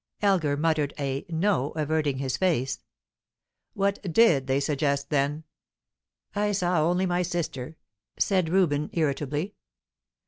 Elgar muttered a "No," averting his face. "What did they suggest, then?" "I saw only my sister," said Reuben, irritably.